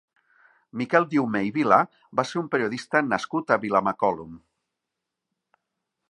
Miquel Diumé i Vilà va ser un periodista nascut a Vilamacolum.